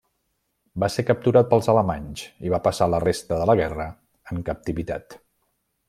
Va ser capturat pels alemanys i va passar la resta de la guerra en captivitat.